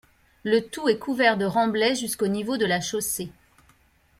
Le tout est couvert de remblai jusqu’au niveau de la chaussée.